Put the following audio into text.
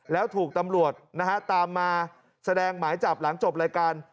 แล้วถูกตำรวจนะฮะตามมาแสดงหมายจับหลังจบรายการ